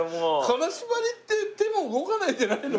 金縛りって手も動かないんじゃないの？